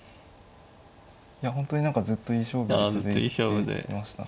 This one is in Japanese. いや本当に何かずっといい勝負が続いてました。